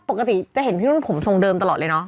เพราะว่าปกติจะเห็นนุ่นผมสงเดิมตลอดเลยเนอะ